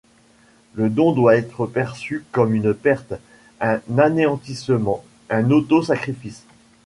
Le don doit être perçu comme une perte, un anéantissement, un auto-sacrifice.